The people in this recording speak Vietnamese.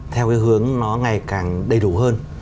theo cái hướng nó ngày càng đầy đủ hơn